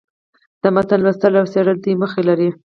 د متون لوستل او څېړل دوې موخي لري.